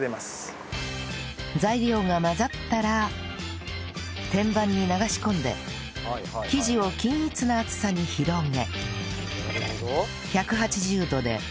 材料が混ざったら天板に流し込んで生地を均一な厚さに広げ